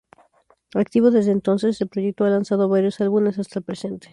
Activo desde entonces, el proyecto ha lanzado varios álbumes hasta el presente.